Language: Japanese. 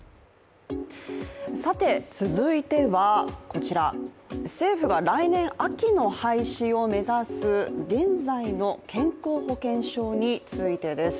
続いてはこちら、政府が来年秋の廃止を目指す現在の健康保険証についてです。